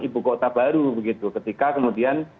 ibu kota baru begitu ketika kemudian